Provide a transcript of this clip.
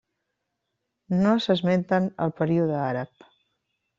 No s'esmenten el període àrab.